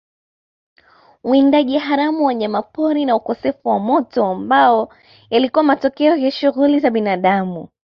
Uwindaji haramu wanyamapori na ukosefu wa moto ambapo yalikuwa matokeo ya shughuli za binadamu